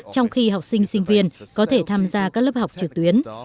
trong khi học sinh sinh viên có thể tham gia các lớp học trực tuyến